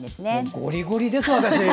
ゴリゴリです、私。